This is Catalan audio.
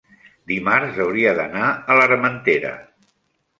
dimarts hauria d'anar a l'Armentera.